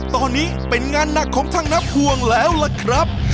ตอนนี้เป็นงานหนักของทางนับห่วงแล้วล่ะครับ